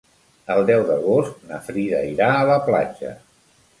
El deu d'agost na Frida irà a la platja.